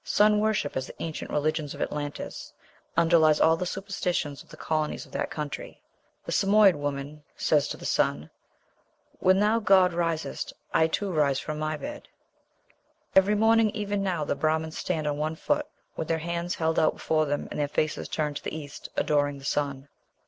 Sun worship, as the ancient religion of Atlantis, underlies all the superstitions of the colonies of that country. The Samoyed woman says to the sun, "When thou, god, risest, I too rise from my bed." Every morning even now the Brahmans stand on one foot, with their hands held out before them and their faces turned to the east, adoring the sun.